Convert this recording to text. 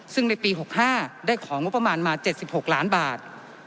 ซึ่งในปี๖๕ได้ของงบประมาณมา๗๖ล้านบาท